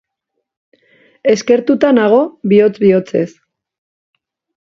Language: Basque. Eskertuta nago, bihotz-bihotzez.